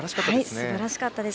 すばらしかったです。